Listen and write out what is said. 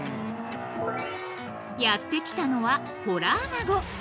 ［やって来たのはホラアナゴ］